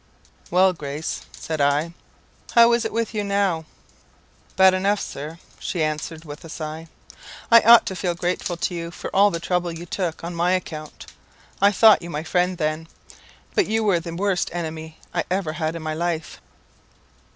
"'Well, Grace,' I said, 'how is it with you now?' "'Bad enough, Sir,' she answered, with a sigh; 'I ought to feel grateful to you for all the trouble you took on my account. I thought you my friend then, but you were the worst enemy I ever had in my life.'